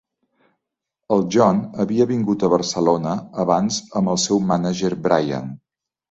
El John ja havia vingut a Barcelona abans amb el seu mànager Brian.